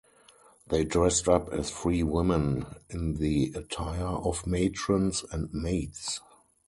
They dressed up as free women in the attire of matrons and maids.